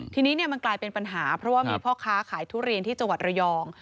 ทีนี้มันกลายเป็นปัญหาเพราะว่ามีพ่อค้าขายทุเรียนที่จังหวัดระยอง